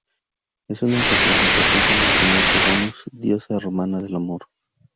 Es una representación del nacimiento Venus, diosa romana del amor.